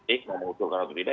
ikhlamah utuh karena itu tidak